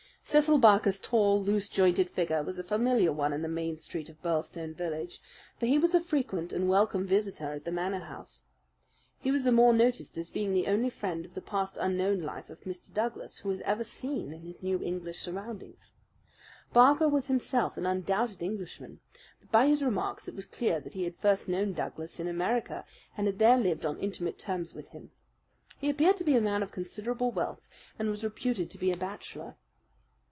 Cecil Barker's tall, loose jointed figure was a familiar one in the main street of Birlstone village; for he was a frequent and welcome visitor at the Manor House. He was the more noticed as being the only friend of the past unknown life of Mr. Douglas who was ever seen in his new English surroundings. Barker was himself an undoubted Englishman; but by his remarks it was clear that he had first known Douglas in America and had there lived on intimate terms with him. He appeared to be a man of considerable wealth, and was reputed to be a bachelor.